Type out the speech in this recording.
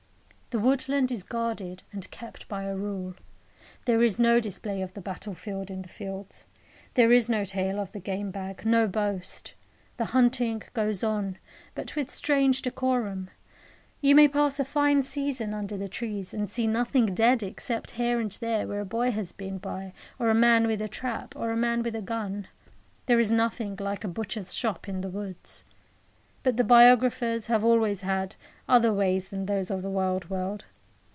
The woodland is guarded and kept by a rule. There is no display of the battlefield in the fields. There is no tale of the game bag, no boast. The hunting goes on, but with strange decorum. You may pass a fine season under the trees, and see nothing dead except here and there where a boy has been by, or a man with a trap, or a man with a gun. There is nothing like a butcher's shop in the woods. But the biographers have always had other ways than those of the wild world.